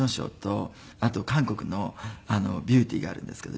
あと韓国のビューティーがあるんですけど。